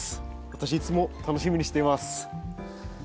私いつも楽しみにしています。